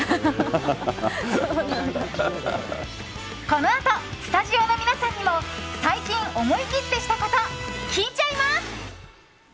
このあとスタジオの皆さんにも最近思い切ってしたこと聞いちゃいます！